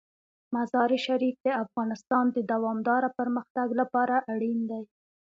مزارشریف د افغانستان د دوامداره پرمختګ لپاره اړین دي.